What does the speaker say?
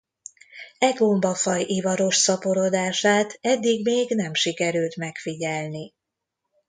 E gombafaj ivaros szaporodását eddig még nem sikerült megfigyelni.